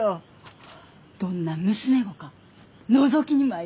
どんな娘御かのぞきに参りましょ。